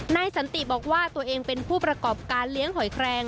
สันติบอกว่าตัวเองเป็นผู้ประกอบการเลี้ยงหอยแครง